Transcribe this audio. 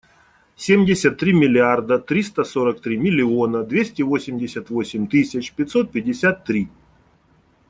Семьдесят три миллиарда триста сорок три миллиона двести восемьдесят восемь тысяч пятьсот пятьдесят три.